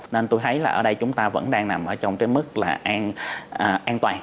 nên tôi thấy ở đây chúng ta vẫn đang nằm trong mức an toàn